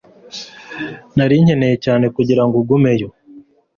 nari nkeneye cyane kugirango ugumeyo